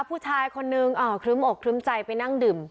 ผู้ชายคนนึงครึ้มอกครึ้มใจไปนั่งดื่ม